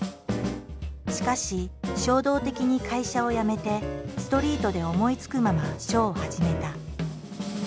しかし衝動的に会社を辞めてストリートで思いつくまま書を始めた。